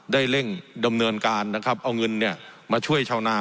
ได้เร่งดำเนินการนะครับเอาเงินเนี่ยมาช่วยชาวนา